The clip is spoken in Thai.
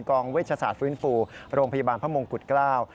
เวชศาสตร์ฟื้นฟูโรงพยาบาลพระมงกุฎเกล้า